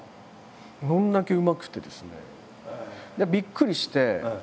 それだけうまくてですねびっくりして。